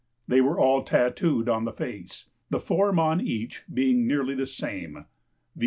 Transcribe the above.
They were all tatooed on the face, the form on each being nearly the same, viz.